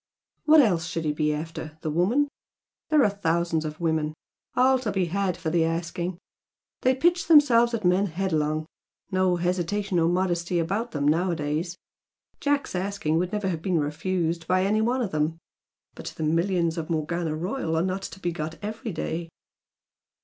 "What else should he be after? The woman? There are thousands of women, all to be had for the asking they pitch themselves at men headlong no hesitation or modesty about them nowadays! Jack's asking would never have been refused by any one of them. But the millions of Morgana Royal are not to be got every day!"